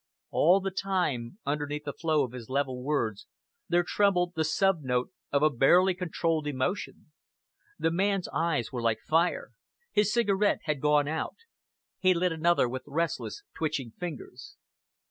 All the time, underneath the flow of his level words, there trembled the sub note of a barely controlled emotion. The man's eyes were like fire. His cigarette had gone out. He lit another with restless, twitching fingers.